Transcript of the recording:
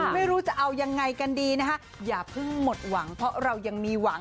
ไม่รู้จะเอายังไงกันดีนะคะอย่าเพิ่งหมดหวังเพราะเรายังมีหวัง